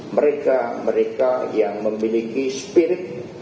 mereka mereka yang memiliki spirit